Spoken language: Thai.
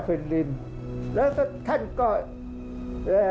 ภาคอีสานแห้งแรง